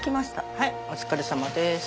はいお疲れさまです。